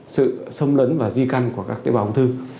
sự xâm lấn và di căn của các tế bào ung thư